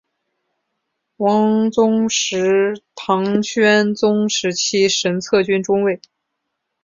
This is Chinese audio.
王宗实唐宣宗时期神策军中尉。